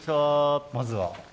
まずは。